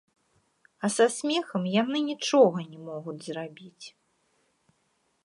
А са смехам яны нічога не могуць зрабіць.